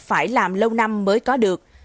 phải làm lâu năm mới có được